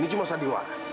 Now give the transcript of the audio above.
ini cuma sendiwara